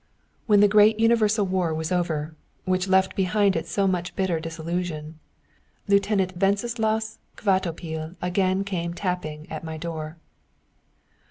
When the great universal war was over, which left behind it so much bitter disillusion, Lieutenant Wenceslaus Kvatopil again came tapping at my door.